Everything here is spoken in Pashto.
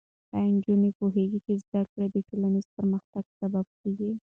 ایا نجونې پوهېږي چې زده کړه د ټولنیز پرمختګ سبب کېږي؟